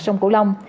sông cổ long